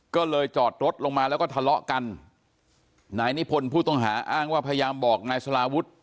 ก็เลยจอดรถลงมาแล้วก็ทะเลาะกันนายนิพนธ์ผู้ต้องหาอ้างว่าพยายามบอกนายสลาวุฒิ